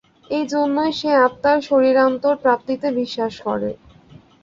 এই জন্যই সে আত্মার শরীরান্তর-প্রাপ্তিতে বিশ্বাস করে।